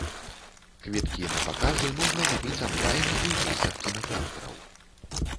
Квіткі на паказы можна набыць анлайн і ў касах кінатэатраў.